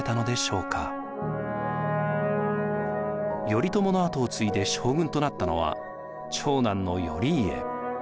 頼朝の跡を継いで将軍となったのは長男の頼家。